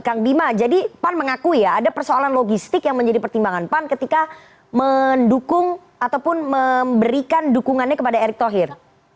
kang bima jadi pan mengakui ya ada persoalan logistik yang menjadi pertimbangan pan ketika mendukung ataupun memberikan dukungannya kepada erick thohir